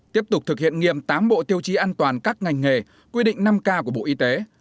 tiếp tục thực hiện nghiêm tám bộ tiêu chí an toàn các ngành nghề quy định năm k của bộ y tế